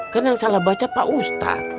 kan yang salah baca pak ustadz